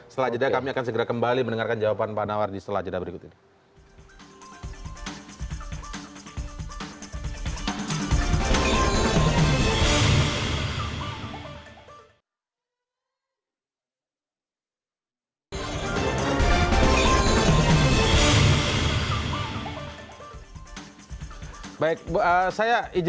setelah jeda kami akan segera kembali mendengarkan jawaban pak nawardi setelah jeda berikut ini